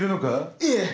いえ！